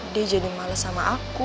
dia jadi males sama aku